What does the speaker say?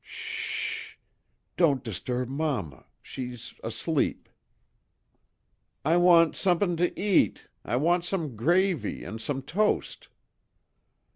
"S h s h, don't disturb mamma. She's asleep." "I want sumpin' to eat. I want some gravy and some toast."